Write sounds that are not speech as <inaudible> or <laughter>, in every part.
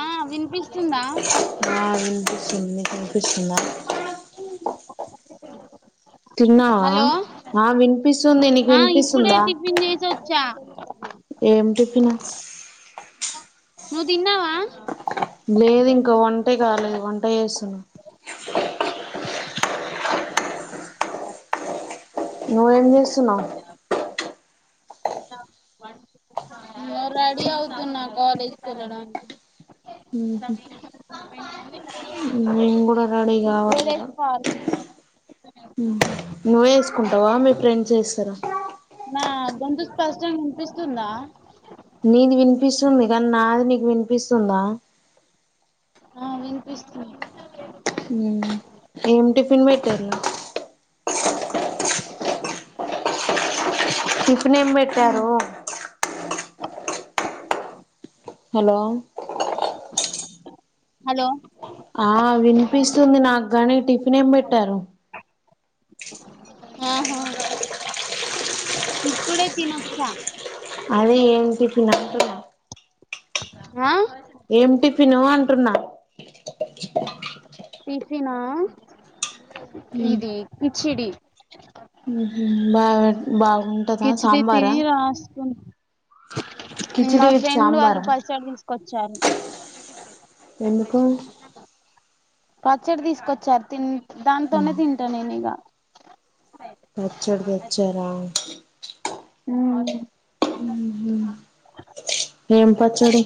ఆ వినిపిస్తు ఆ వినిపిస్తుంది నీకు వినిపిస్తుందా తిన్నావా హలో ఆ వినిపిస్తుంది నీకు ఆ ఇప్పుడే వినిపిస్తుందా టిఫిన్ చేసి వచ్చా ఏమి టిఫి తిన్న నువ్వు తిన్నావా లేదు ఇంక వంటే గాలేదు వంట జెస్తున్నా ఎమో నువ్వు ఏం జెస్సున్నావ్ ఇగో రెడీ అవుతున్నా కాలేజ్ కెళ్ళడానికి హ్మ్ హు నేను గూడ రేడి గావాలి ఇగ జడేసుకోవాలి నువ్వే ఎస్కుంటావా మి ఫ్రెండ్స్ ఎస్తరా నా గొంతు స్పష్టంగ వినిపిస్తుందా నీది వినిపిస్తుంది గాని నాది నీకు వినిపిస్తుందా ఆ వినిపిస్తుంది. హ్మ్ ఏం టిఫిన్ బెట్టారు టిఫిన్ ఏం బెట్టారో హలో హలో ఆహ్ వినిపిస్తుంది నాకు గాని టిఫిన్ ఏం బెట్టారు. ఆహా ఇప్పుడే తినొచ్చా. అదే ఏం టిఫిన్ అంటున్న ఆహ్ ఏమిటి టిఫ్ ఫిను అంటున్నా టిఫినా ఇది కిచిడి హ్మ్ హు బాబె బావు కిచడి తిని రాసుకు కిచిడి మా విత్ ఫ్రెండ్ వాళ్ళు సాంబారా పచ్చడి తీసుకొచ్చారు. ఎందుకో పచ్చడి తీస్కొచ్చారు తిన్ దాంతోనే తింట నేను ఇగ పచ్చడి తెచ్చార ఉమ్. ఏం పచ్చడి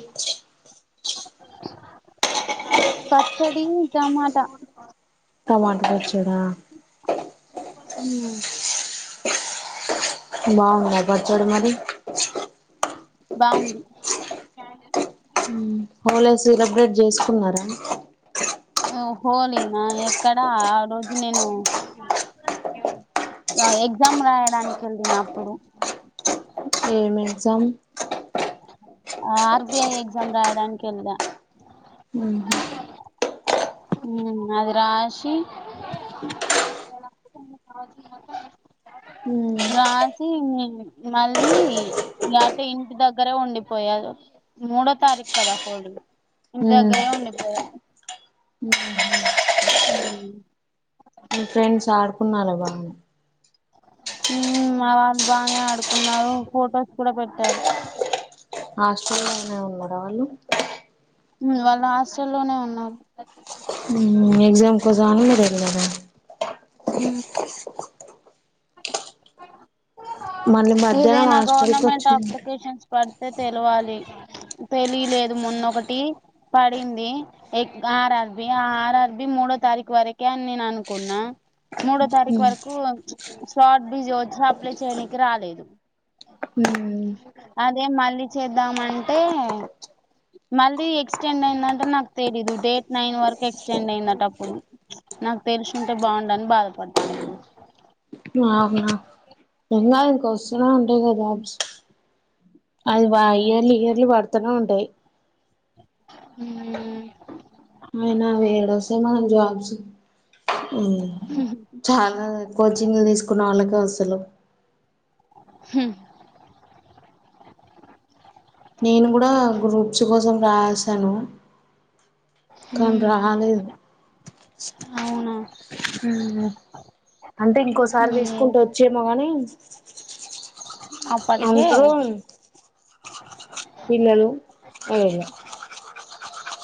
పచ్చడి టమాటా టమాట పచ్చడా మ్మ్ బావుందా పచ్చడి మరి బాంది హోలీ సెలబ్రేట్ జెసుకున్నారా హోలీనా ఎక్కడా ఆ రోజు నేను ఎగ్జామ్ రాయడానికి ఎళ్ళిన అప్పుడు ఎం exam R. B. I exam రాయడానికి ఎళ్ళ మ్మ్ ఉ అది రాశి రాసి మళ్ళీ అతే ఇంటి దగ్గరే ఉండిపోయారు మూడో తారీఖు కదా హోడ ఇంటి మీ దగ్గరే ఉండిపోయా మీ ఫ్రెండ్స్ ఆడుకున్నారా బాగా ఉ ఆ వాళ్ళు బాగా ఆడుకున్నారు ఫొటోస్ కూడా పెట్టారు హాస్ట్రేలియానే ఉన్నాడా వాళ్ళు వాళ్ళు హాస్టల్లోనే ఉన్నారు ఎగ్జామ్ కోసం అని రగదద అ మళ్ళీ మధ్యాహ్నం ఇదేనా హాస్టల్కి గవర్నమెంట్ వచ్చిండ్రు అప్లికషన్స్ పడత అ తెలివాలి తెలియలేదు మొన్నొకటి పడింది ఎ ఆర్ అర్బి ఆ ఆర్ అర్బి మూడో తారీఖు వరకే అని నేను అనుకున్నా మూడో తారీఖు వరకు షాట్ బిజీ వచ అప్లై చినికి రాలేదు ఉమ్ అదే మళ్ళ చేద్దామంటే మళ్ళీ ఎక్స్టెండ్ అయిందంటే నాకు తెలీదు డేట్ నైన్ వరకు ఎక్స్టెండ్ అయిందట అప్పుడు నాకు తెలుసుంటే బాగుండని బాధపడను ఇప్పుడు అవునా ఎంకాదు వస్తునే ఉంటాయి కదాబ్ అది వ ఎర్లీ ఎర్లీ పడుతూనే ఉంటాయి హ అనాే ఏడ వస మా జబసు చాలా కోచింగ్ తీసుకున్న వాళ్ళకి నసలుం హ నేను కూడా గ్రూప్స్ కోసం రాసాను కానీ ఉమ్ రాలేదు అవునా అంటే ఇంకోసారి ఏ తీసుకుంటే వచ్చేమో కానీ అప్పటికే అందరూ పిల్లలు అదేలే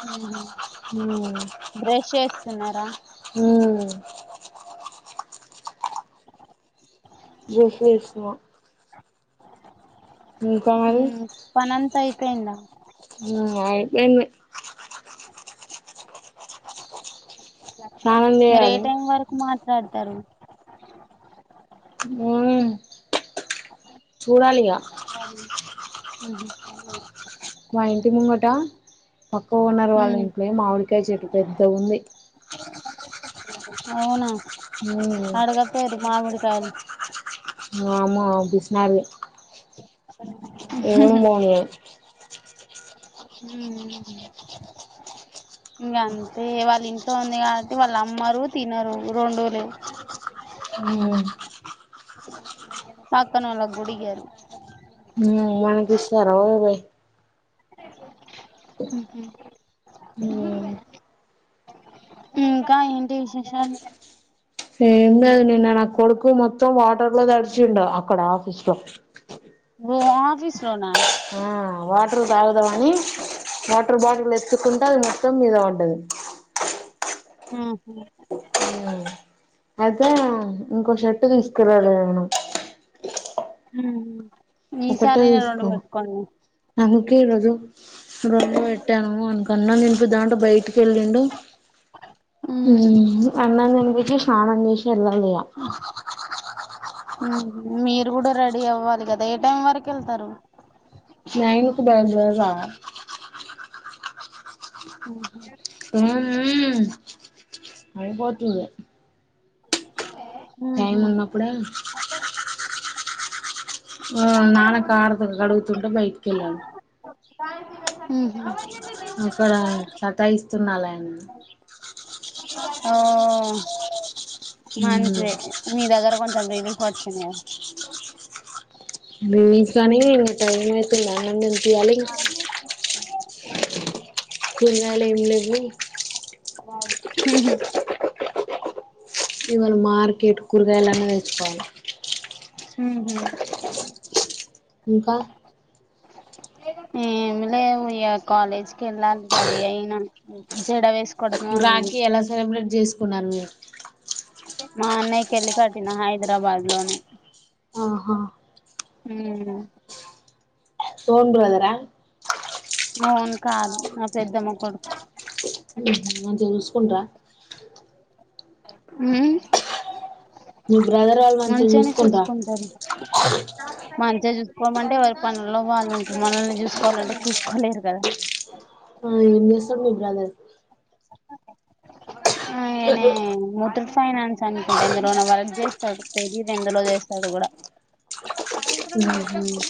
ఉ హ తిన్నారా హమ్ జోఫసు హ పాన్ యిపోయింద హ ఆయిపోయింది సానంచేయాలి లాడతారు హ చూడాలియా మ్మ్ మా ఇంటి ముంగట పక్కవ ఉన్నారు వాళ్ళ మ్మ్ ఇంట్లో మామిడికి ఇంకా చెట్టు పెద్ద ఉంది మ్మ్ అడగ పేరు మామిడికాయలు మ బిసినారి ఏను బను ఇంకా అంతే వాళ్ళ ఇంట్లో ఉంది కాబట్టి వాళ్ళు అమ్మరు తినరు రెండులే హమ్ పక్కన వాళ్ళ గుడి గారు ఉ మనకి సార భై మ్మ్ ఇంకా ఏంటి విశేషాలు ఏది నిన్నను కొడుకు మొత్తం వాటర్ బ్లో త అడిచిండ అక్కడ ఆఫీస్ లో రో ఆఫీస్ లోనా ఆ వాటర్ తాగుదా అని వాటర్ బాటిల్ ఎచ్చుకుంటే అది మొత్తం మీద ఉంటది హమ్ అదా ఇంకో షర్టు తీసుకురాలి మనం హ ఈ సారేనా రెండు పెట్టుకోండి ఈ రజు రమ్మ పెట్టాను అనకన్నా నింపి దాం బయటి టినిన్డు మ్మ్. హమ్ ఆనం టిన్పిచ్ స్నాను చెస్ యాలఇంకా మ్మ్. మీరు కూడా రెడీ అవ్వాలి కదా ఏ టైం వరకు వెళ్తారు నైనుకు అ మ్మ్. అరి బతు ఓక టైం ఉన్నప్పుడ నాణ కాడతో కడుగుతుంటే బైక్ ఎలంర్ హమ్ మ్మ అక్క సతాస్ స్తున్నాలని ఆ మంతే మీ దగ్గర కొంచెం రిలీఫ్ వచ్చి ఎని అ కానీ టైయితు కూరగాయలు ఏం లేవు మ్ హమ్ ఇవాళ మార్కెట్ కూరగాయలన్న తెచ్చుకోవాలే మ్ హు ఇంకా ఏమి లే ఉయ కాలేజ్కి వెళ్ళాలి రెడీ అయిన జడ వేస్ రాకి ఎలా సెలబ్రేట్ చేస్ కున్నారు మీరు మా అన్నయ్యకేళ్ళి కట్టిన హైదరాబాద్ లోనే ఆహా మ్ సోన్ బ్రదరా మా ఒన్ కాదు మా పెద్దమ్మ కొడుకు మంచిగ చూసుకుంట్రా మ్మ్ మీ బ్రదర్ వాళ్ళు మంచిగా మంచిగానే చూసుకుంట్రా చూసుకుంటారు మంచిగా చూ కోమంటే ఎవరి పనుల్లో వాళ్ళుంటారు మనల్ని చూసుకోవాలంటే చూసుకోలేరు కదా ఆ ఏం చేస్తడు మీ బ్రదర్ ఆయినే మొటర్ ఫైనాన్స్ అనుకుంట ఎందులోనో వర్క్ చేస్తాడు తెలియదు ఎందులో చేస్తాడో కూడా సాయంత్రం ను వచ్చ ఉహు గు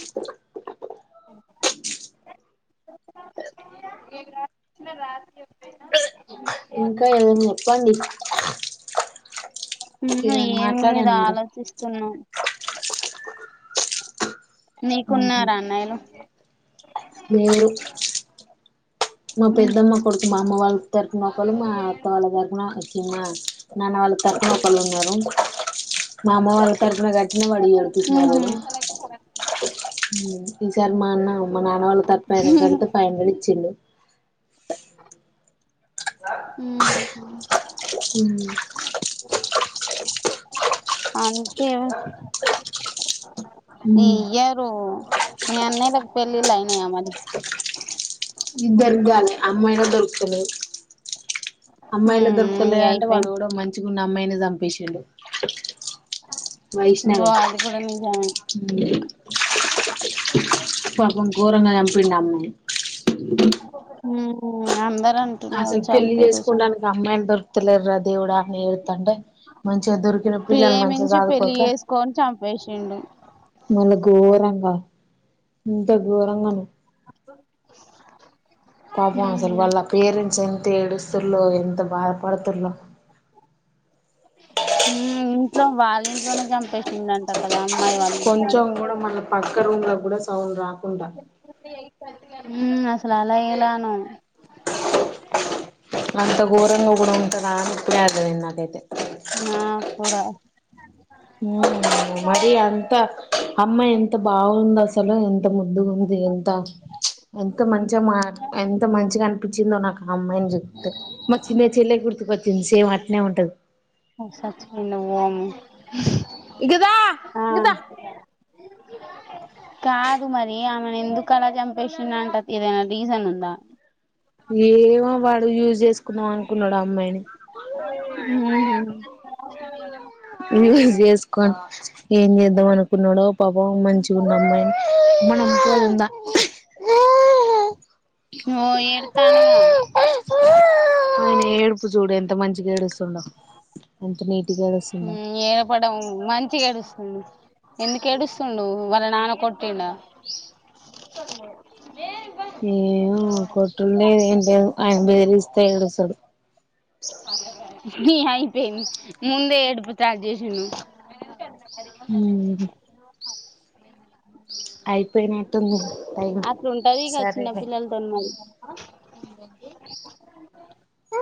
ఇంకా ఏమేమ్ ప్పండి ఇంగ ఏం లేదు మీరు ఆలోచిస్తున్నాం ఉహు నీకున్నార అన్నయలు లేరు మా ఉహు పెద్దమ్మ కొడుకు మా అమ్మ వాళ్ళ తరపున ఒకళ్ళు మా అత్త వాళ్ళ తరపున మా నాన్న వాళ్ళ తరుపున ఒకళ్ళున్నారు మామ్మ వాళ్ళ తర్ ఏమన్నా కట్టినా వాడు ఇయ్యడు పిసినారోడు హు సారి మా అన్న మా నాన్న వాళ్ళ తరుపున అయినకు కడితే ఫైవ్ హండ్రెడ్ ఇచ్చిళ్ళు మ్ ఆ మ్మ్ అవ్ ఏమో హ్మ్ ఇయ్యారు మీ అన్నయ్యలకు పెళ్లిళ్ళ ఏమని ఇద్దరికీ కాలేదు అమ్మాయి కూడా దొరుకుతలేదు అమ్మాయిలా ఉమ్ ఇగ దొరుకుతలేదంటే వాళ్ళు అయిపోయినయ్ కూడా మంచిగా ఉన్నా అమ్మాయిని చంపేసిండు ఓ వైష్ణవి అది కూడా నిజమే పాపం ఘోరంగా చంపిండు అమ్మో హ్మ అందరు అంటున్నారు అసలు పెళ్లి చంపిర్రు చం చేసుకోండాననికి అమ్మాయిలు దొర ఇత్తలేర్రా దేవుడా ఏం అంటే మంచిగా దొరికిన పిల్లను మంచిగా ప్రేమించి పెళ్లి సాదుకోక చేసుకొని చంపేసిండు మరి గోరంగా ఇంత గోరంగానా <inaudible> పాపం అసలు ఉమ్ వాళ్ల పేరెంట్స్ ఎంత ఏడుస్ ర్లో ఎంత బాధపడుతురో ఇంట్లో వాళ్ళ ఇంట్లోనే చంపేసిందంట కదా అమ్మాయి వాళ్ళ ఇంట్లోనే కొంచెం కూడా మన పక్క రూమ్లో కూడా సౌండ్ రాకుండా ఉ అసలు అలా ఎలానో అంత ఘోరంగా కూడా ఉంటారా అని ఇప్పుడే అర్థమైంది నాకైతే నా కూడా ఉహ్ మరి అంత అమ్మా ఎంత బాగుంది అసలు ఎంత ముద్దుగుంది ఎంత ఎంత మంచిగా మాట్లా ఎంత మంచిగా అనిపించిందో నాకు అమ్మాయిని చూస్తే చిన్న చెల్లె గుర్తుకోచ్చింది సేమ్ అట్నే ఉంటది <unintelligible> ఇగా దా ఆ ఇంగ దా కాదు మరి ఆమెను ఎందుకు అలా చంపేసింధంట ఏదైనా రీజన్ ఉందా ఏమో వాడు యూజ్ చేసుకుందాం అనుకున్నాడు అమ్మాయిని మ్మ్ యూస్ చేేస్కోనీ ఏం చేద్దవనుకునడో పాపం మంచిగున్న అమ్మాయిని మనం పోదాం దా <inaudible> ఓ ఏడ తాందుగా ఓ ఏడుపు సూడే ఎంత మంచిగా ఏడుస్తుండో ఎంత నీటుగా ఏర్పడం మంచి ఏడుస్తుండు ఎందుకు ఏడుస్తుండు వాళ్ళ నాన్న కొట్టిండ ఏవో కొట్టుడు లేదు ఎం లేదు ఆయన బెదిరిస్త తే ఏడుస్తడు అ నీ అయిపేంది ముందే ఏడుపు స్టార్ట్ చేసిండు. మూ హు <inaudible> అయిపోయినట్టుంది టైం అట్లుంటది సరేలే అకే <unintelligible>